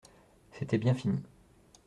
C'était bien fini.